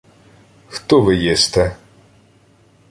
— Хто ви єсте?